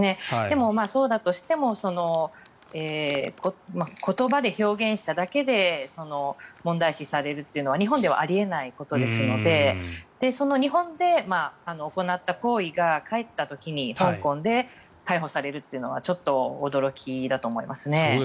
そうだとしても言葉で表現しただけで問題視されるというのは日本ではあり得ないことですのでその日本で行った行為が帰った時に香港で逮捕されるというのはちょっと驚きだと思いますね。